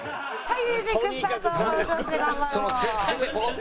はい！